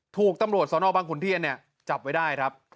ถูกตำรวจสนบังขุนเทียนเนี่ยจับไว้ได้ครับ